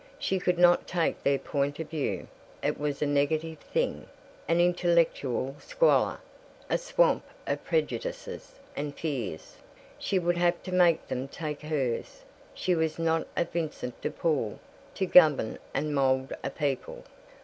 She could not take their point of view; it was a negative thing; an intellectual squalor; a swamp of prejudices and fears. She would have to make them take hers. She was not a Vincent de Paul, to govern and mold a people.